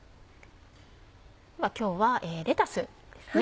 今日はレタスですね。